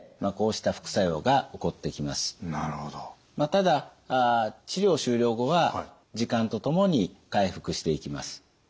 ただ治療終了後は時間とともに回復していきます。